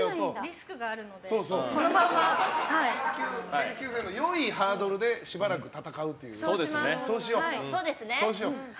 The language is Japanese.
研究生の良いハードルでしばらく戦うことにしよう。